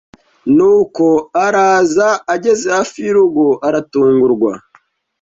nuko araza , ageze hafi y’urugo aratungurwa